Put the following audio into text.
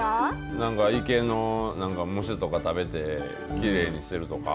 何か池の虫とか食べてきれいにしてるとか。